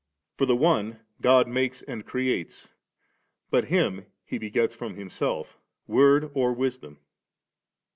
For the one God makes and creates; but Him He begets from Himself, Word or Wisdom.